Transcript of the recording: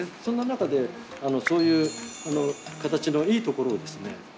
そんな中でそういう形のいいところをですね